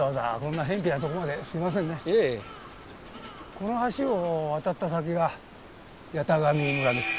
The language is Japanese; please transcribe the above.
この橋を渡った先が八咫神村です。